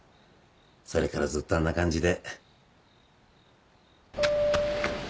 それからずっとあんな感じで。